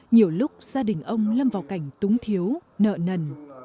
nhiều lúc gia đình ông lâm vào cảnh túng thiếu nợ nần